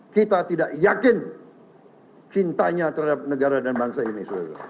kita tidak yakin cintanya terhadap negara dan bangsa ini